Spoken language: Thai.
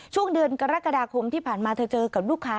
ช่วงเดือนกรกฎาคมที่ผ่านมาเธอเจอกับลูกค้า